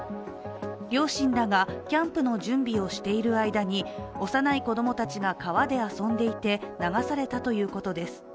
両親らがキャンプの準備をしている間に幼い子供たちが川で遊んでいて流されたということです。